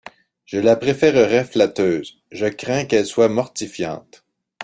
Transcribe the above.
Je la préférerais flatteuse, je crains qu’elle soit mortifiante.